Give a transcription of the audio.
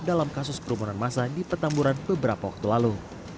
dalam kasus kerumunan masa di petamburan beberapa waktu lalu